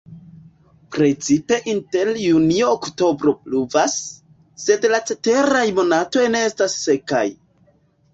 Precipe inter junio-oktobro pluvas, sed la ceteraj monatoj ne estas sekaj.